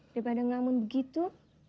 daripada menyuruh begitu